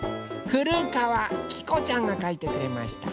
ふるかわきこちゃんがかいてくれました。